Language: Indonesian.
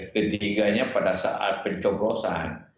ketiganya pada saat pencoblosan